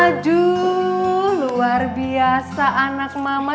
aduh luar biasa anak mama